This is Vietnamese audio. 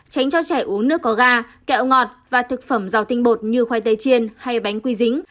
tránh cho trẻ uống nước có ga kẹo ngọt và thực phẩm giàu tinh bột như khoai tây chiên hay bánh quy dính